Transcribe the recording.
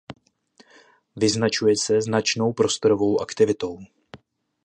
Vyznačuje se značnou prostorovou aktivitou.